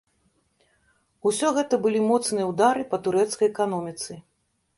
Усё гэта былі моцныя ўдары па турэцкай эканоміцы.